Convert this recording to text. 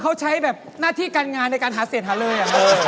เขาใช้แบบหน้าที่การงานในการหาเสียงหาเลย